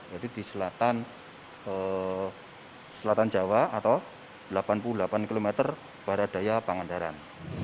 jadi di selatan jawa atau delapan puluh delapan km barat daya pangandaran